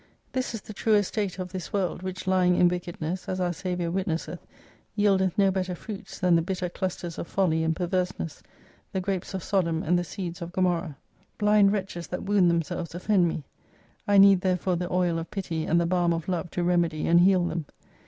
This is the true estate of this world, which lying in wickedness, as our Saviour witnesseth, yieldeth no better fruits, than the bitter clusters of folly and perverseness, the grapes of Sodom, and the seeds of Gomorrah. Blind wretches that wound themselves offend me. I need therefore the oil of pity and the balm of love to remedy and heal them.